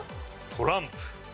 トランプ。